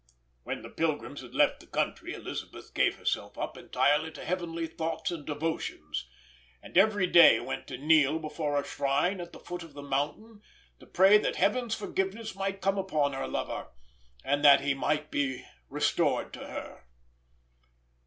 When the pilgrims had left the country, Elisabeth gave herself up entirely to heavenly thoughts and devotions, and every day went to kneel before a shrine at the foot of the mountain to pray that Heaven's forgiveness might come upon her lover, and that he might be restored to her.